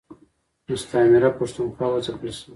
مستعمره پښتونخوا و ځپل شوه.